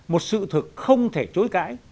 một sự thực không thể chối cãi